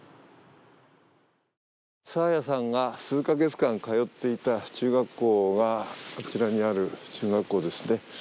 爽彩さんが数カ月間通っていた中学校があちらにある中学校ですね。